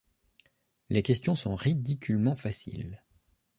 Les questions sont ridiculement faciles.